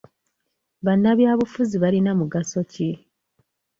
Bannabyabufuzi balina mugaso ki?